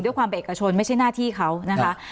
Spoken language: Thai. ความเป็นเอกชนไม่ใช่หน้าที่เขานะคะ